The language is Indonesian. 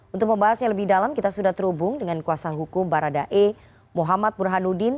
untuk membahasnya lebih dalam kita sudah terhubung dengan kuasa hukum baradae muhammad burhanuddin